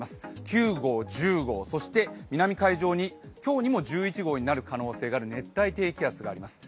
９号、１０号、そして南海上に今日にも１１号になる可能性がある熱帯低気圧があります。